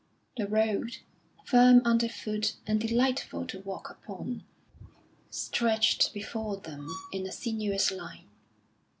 The road, firm underfoot and delightful to walk upon, stretched before them in a sinuous line.